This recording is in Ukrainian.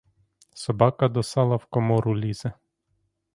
Собака до сала в комору лізе!